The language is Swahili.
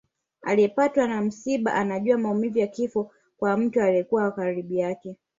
Aliyepatwa na msiba anajua maumivu ya kifo kwa mtu aliyekuwa wa karibu yake